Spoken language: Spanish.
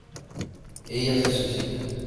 Ella se suicida.